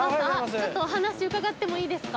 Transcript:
ちょっとお話伺ってもいいですか。